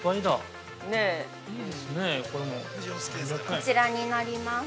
◆こちらになります。